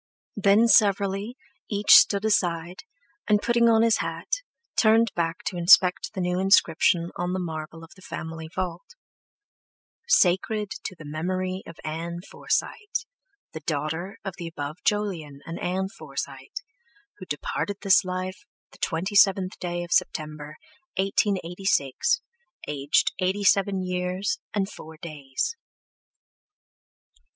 Then severally, each stood aside, and putting on his hat, turned back to inspect the new inscription on the marble of the family vault: SACRED TO THE MEMORY OF ANN FORSYTE, THE DAUGHTER OF THE ABOVE JOLYON AND ANN FORSYTE, WHO DEPARTED THIS LIFE THE 27TH DAY OF SEPTEMBER, 1886, AGED EIGHTY SEVEN YEARS AND FOUR DAYS.